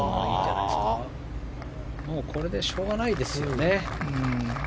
もうこれでしょうがないですよね。